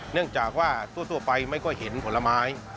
เนื่องจากว่าทั่วไปไม่ค่อยเห็นผลไม้